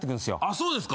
そうですか？